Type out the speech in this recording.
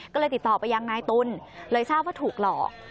ก็เลยติดต่อไปยังนายตุลเลยทราบว่าถูกหลอก